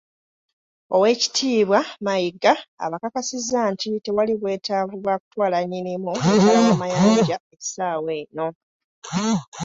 Oweekitibwa Mayiga abakakasizza nti tewali bwetaavu bwa kutwala Nnyinimu mitala w'amayanja essaawa eno